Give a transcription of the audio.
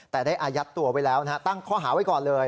แต่ได้อายัดตัวไว้แล้วนะฮะตั้งข้อหาไว้ก่อนเลย